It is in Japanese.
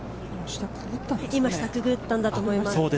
今、下くぐったんだと思います。